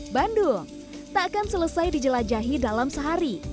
bandung tak akan selesai dijelajahi dalam sehari